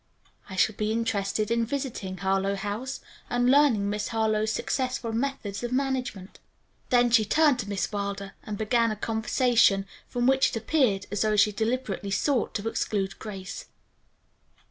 "I shall be interested in visiting Harlowe House and learning Miss Harlowe's successful methods of management." Then she turned to Miss Wilder and began a conversation from which it appeared as though she deliberately sought to exclude Grace.